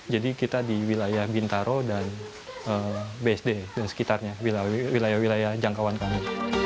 jadi kita di wilayah bintaro dan bsd dan sekitarnya wilayah wilayah jangkauan kami